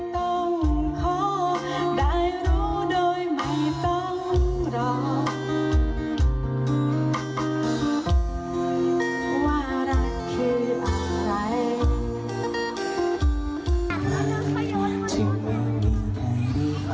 ตอนนี้คำพูดเรียบร้อย